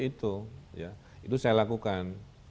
itu itu saya lakukan